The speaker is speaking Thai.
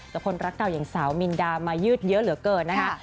แต่คนรักเก่าอย่างสาวมินดามายืดเยอะเหลือเกินนะคะ